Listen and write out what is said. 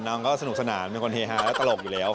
น้องก็สนุกสนานเป็นคนเฮฮาและตลกอยู่แล้ว